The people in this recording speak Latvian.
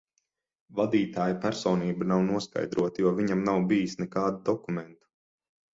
Vadītāja personība nav noskaidrota, jo viņam nav bijis nekādu dokumentu.